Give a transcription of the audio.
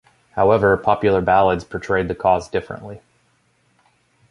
However, popular ballads portrayed the cause differently.